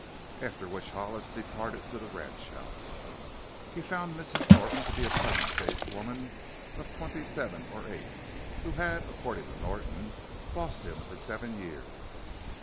After which Hollis departed to the ranchhouse. He found Mrs. Norton to be a pleasant faced woman of twenty seven or eight, who had according to Norton "bossed him for seven years."